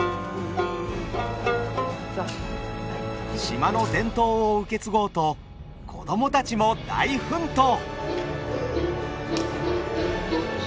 島の伝統を受け継ごうと子供たちも大奮闘！